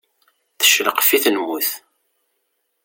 Teccelqef-it lmut.